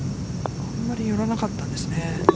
あまり寄らなかったですね。